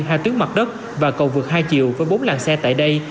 hai tuyến mặt đất và cầu vượt hai chiều với bốn làng xe tại đây